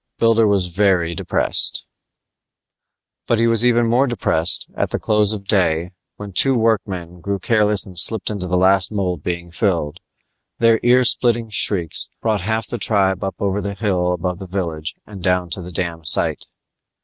Builder was very depressed But he was even more depressed when, at the close of day, two workmen grew careless and slipped into the last mold being filled; their ear splitting shrieks brought half the tribe up over the hill above the village and down to the dam sight.